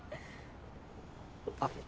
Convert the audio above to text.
あっ。